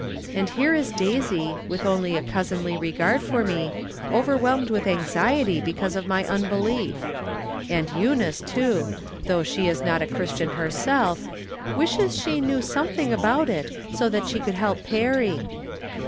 And here is Daisy, with only a cousinly regard for me, over whelmed with anxiety because of ray unbelief. And Eunice too, though she 'is not a Christian herself, " wishes she knew something about it so she could help Perry."